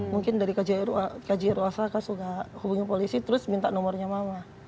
mungkin dari kjri osaka sudah hubungi polisi terus minta nomornya mama